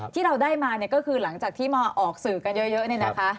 ที่เราได้มาคือหลังจากที่เมื่อออกสื่อกันเยอะเนี่ยนะครับ